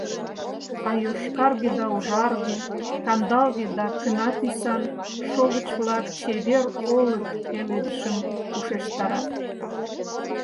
А йошкарге да ужарге, кандалге да кына тӱсан шовыч-влак чевер олык пеледышым ушештарат.